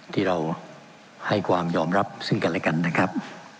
ที่เราให้ความยอมรับซึ่งกันและกันนะครับ